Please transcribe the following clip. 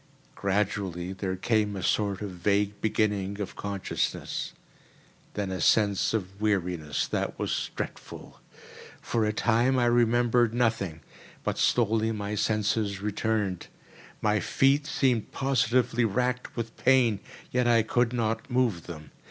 Gradually there came a sort of vague beginning of consciousness; then a sense of weariness that was dreadful. For a time I remembered nothing; but slowly my senses returned. My feet seemed positively racked with pain, yet I could not move them.